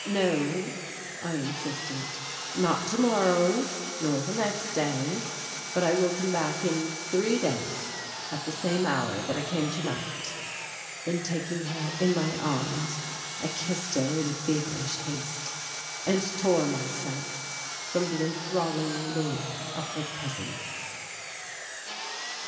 "No," I insisted, "not tomorrow, nor the next day, but I will come back in three days at the same hour that I came tonight." Then taking her in my arms, I kissed her in feverish haste and tore myself from the enthralling lure of her presence.